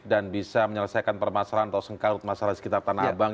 dan bisa menyelesaikan permasalahan atau sengkarut masalah sekitar tanah abang